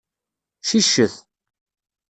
Ciccet.